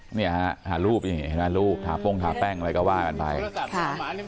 เนี้ยฮะหารูปอย่างงี้หารูปหาโป้งหาแป้งอะไรก็ว่ากันไปค่ะ